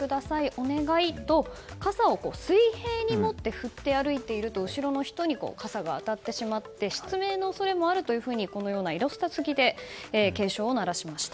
お願いと傘を水平に持って振って歩いていると後ろの人に傘が当たってしまって失明の恐れもあるというふうにこのようなイラスト付きで警鐘を鳴らしました。